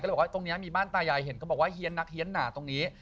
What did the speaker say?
บอกว่าตรงนี้มีบ้านตายายเห็นก็บอกว่าเฮียนนักเฮียนหนาตรงนี้